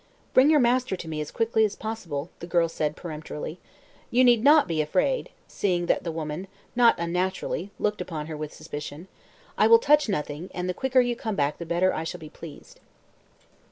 "Bring your master to me, as quickly as possible," the girl said peremptorily. "You need not be afraid" she added, seeing that the woman not unnaturally looked upon her with suspicion. "I will touch nothing, and the quicker you come back the better I shall be pleased."